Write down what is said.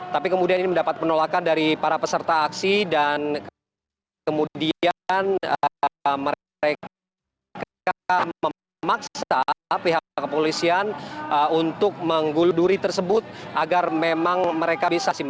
tapi kemudian ini mendapat penolakan dari para peserta aksi dan kemudian mereka memaksa pihak kepolisian untuk mengguluduri tersebut agar memang mereka bisa simpulkan